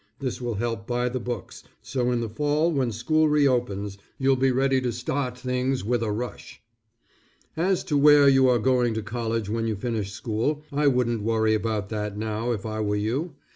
This will help buy the books, so in the fall when school reopens, you'll be ready to start things with a rush. As to where you are going to college when you finish school, I wouldn't worry about that now if I were you.